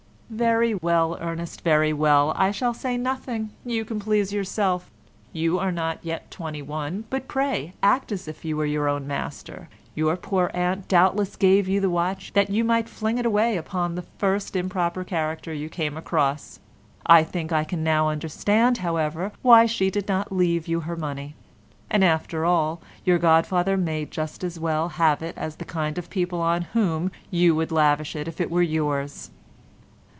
"Very well, Ernest, very well: I shall say nothing; you can please yourself; you are not yet twenty one, but pray act as if you were your own master; your poor aunt doubtless gave you the watch that you might fling it away upon the first improper character you came across; I think I can now understand, however, why she did not leave you her money; and, after all, your godfather may just as well have it as the kind of people on whom you would lavish it if it were yours."